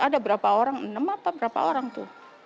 ada berapa orang enam apa berapa orang tuh